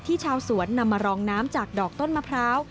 ชาวสวนนำมารองน้ำจากดอกต้นมะพร้าว